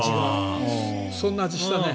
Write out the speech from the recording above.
そんな味したね。